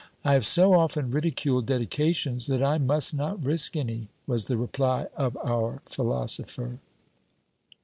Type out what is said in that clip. "I have so often ridiculed dedications that I must not risk any," was the reply of our philosopher.